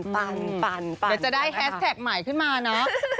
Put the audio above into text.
ปั่นเดี๋ยวจะได้แฮสแท็กใหม่ขึ้นมาเนอะ